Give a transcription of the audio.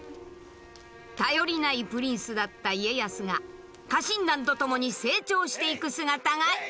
頼りないプリンスだった家康が家臣団と共に成長していく姿が描かれている。